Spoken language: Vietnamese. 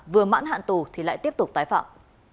vừa mãn hạn tù thì lại tiếp tục tái phạm